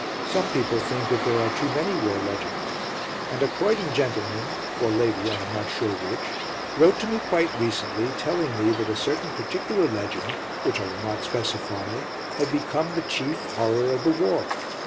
Some people think that there are too many war legends, and a Croydon gentleman or lady, I am not sure which wrote to me quite recently telling me that a certain particular legend, which I will not specify, had become the "chief horror of the war."